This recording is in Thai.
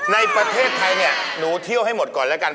ในประเทศไทยเนี่ยหนูเที่ยวให้หมดก่อนแล้วกัน